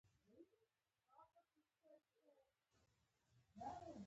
د اوبو د بندونو په جوړولو سره